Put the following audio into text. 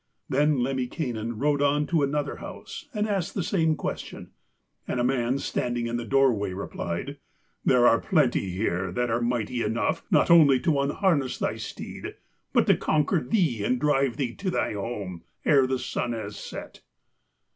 Then Lemminkainen rode on to another house and asked the same question; and a man standing in the doorway replied: 'There are plenty here that are mighty enough not only to unharness thy steed, but to conquer thee and drive thee to thy home ere the sun has set.'